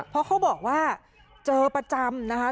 เพราะเขาบอกว่าเจอประจำนะคะ